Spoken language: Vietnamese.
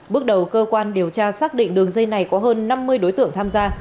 bước đầu cơ quan điều tra xác định đường dây này có hơn năm mươi đối tượng tham gia